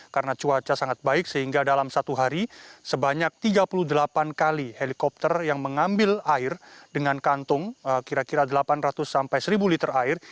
karena cuaca sangat baik sehingga dalam satu hari sebanyak tiga puluh delapan kali helikopter yang mengambil air dengan kantung kira kira delapan ratus sampai seribu liter air